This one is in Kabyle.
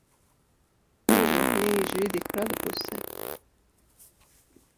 Amejruḥ-nni yejji deg kraḍ wussan.